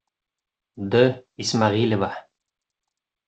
Д. ИСМӘҒИЛЕВА.